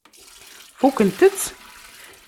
Fukkent-tt?